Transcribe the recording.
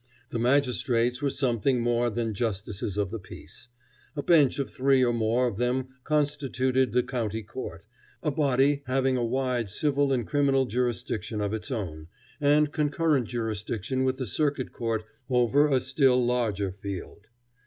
The magistrates were something more than justices of the peace. A bench of three or more of them constituted the County Court, a body having a wide civil and criminal jurisdiction of its own, and concurrent jurisdiction with the Circuit Court over a still larger field.